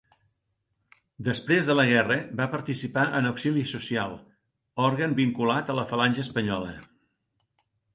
Després de la guerra, va participar en Auxili Social, òrgan vinculat a la Falange Espanyola.